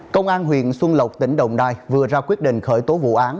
công an huyện xuân lộc tỉnh đồng nai vừa ra quyết định khởi tố vụ án